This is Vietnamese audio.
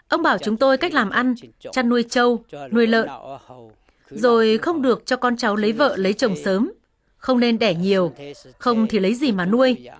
ông bảo chúng tôi cách làm ăn chăn nuôi trâu nuôi lợn rồi không được cho con cháu lấy vợ lấy chồng sớm không nên đẻ nhiều không thì lấy gì mà nuôi